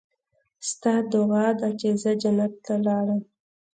ستا دعا ده چې زه جنت ته لاړم.